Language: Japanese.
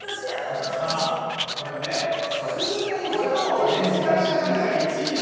これさこれね普通でいくと明太高菜が１位なんだけど。